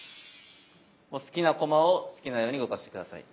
お好きな駒を好きなように動かして下さい。